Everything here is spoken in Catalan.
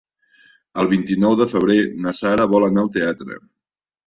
El vint-i-nou de febrer na Sara vol anar al teatre.